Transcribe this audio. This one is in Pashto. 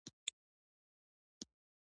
نو پاتې دې خدای خیر پېښ کړي وچکالي سخته ده.